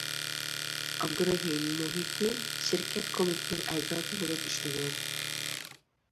ئابدۇرېھىم مۇھىتى شىركەت كومىتېتىنىڭ ئەزاسى بولۇپ ئىشلىگەن.